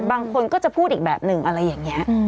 บางคนก็จะพูดอีกแบบหนึ่งอะไรอย่างนี้